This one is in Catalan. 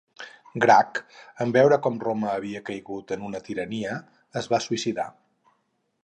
Grac, en veure com Roma havia caigut en una tirania, es va suïcidar.